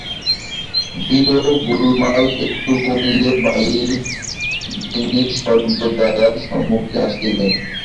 ভিড় ও গোলমাল একটু কমিলে বাড়ির গিন্নি সর্বজয়ার সম্মুখে আসিলেন।